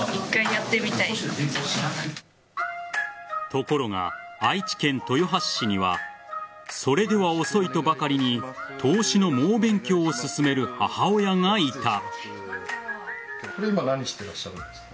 ところが、愛知県豊橋市にはそれでは遅いとばかりに投資の猛勉強を進める母親がいた。